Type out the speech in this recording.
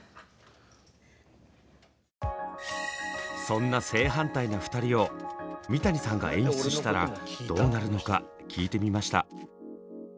そんな正反対な２人を三谷さんが演出したらどうなるのか聞いてみました。